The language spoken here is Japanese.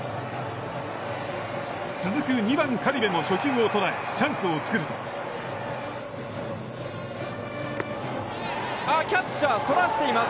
続く２番苅部も初球を捉えチャンスを作るとキャッチャー、そらしています。